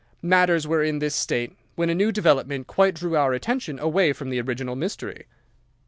Matters were in this state, when a new development quite drew our attention away from the original mystery.